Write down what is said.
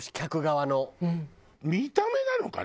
見た目なのかな？